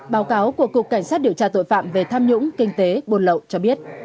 báo cáo của cục cảnh sát điều tra tội phạm về tham nhũng kinh tế buôn lậu cho biết